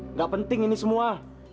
nggak penting ini semua